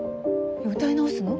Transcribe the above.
歌い直すの？